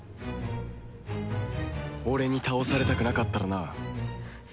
俺に倒されたくなかったらな。